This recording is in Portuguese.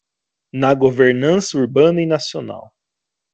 Na governança urbana e nacional